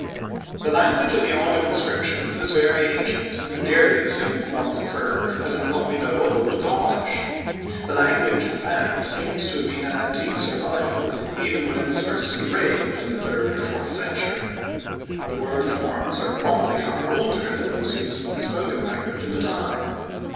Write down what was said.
The language of the Ogam inscriptions is very ancient and nearly the same forms occur as in what we know of Old Gaulish. The language, in fact, seems to have been an antique survival even when it was first engraved, in the third or fourth century. The word forms are probably far older than those used in the spoken language of the time.